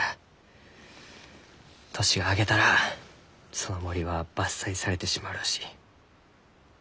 年が明けたらその森は伐採されてしまうらしい。